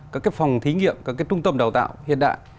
các phòng thí nghiệm các trung tâm đào tạo hiện đại